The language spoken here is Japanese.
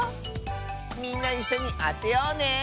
みんないっしょにあてようね。